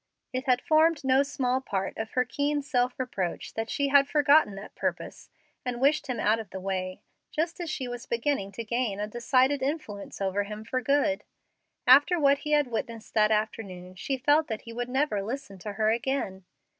It had formed no small part of her keen self reproach that she had forgotten that purpose, and wished him out of the way, just as she was beginning to gain a decided influence over him for good. After what he had witnessed that afternoon she felt that he would never listen to her again.